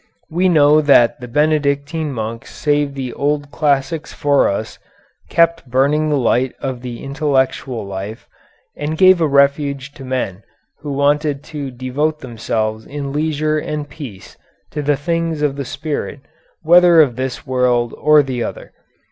We know that the Benedictine monks saved the old classics for us, kept burning the light of the intellectual life, and gave a refuge to men who wanted to devote themselves in leisure and peace to the things of the spirit, whether of this world or the other.